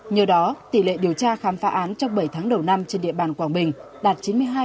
nhờ đó tỷ lệ điều tra khám phá án trong bảy tháng đầu năm trên địa bàn quảng bình đạt chín mươi hai bốn mươi một